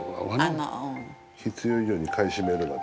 必要以上に買い占めるなと。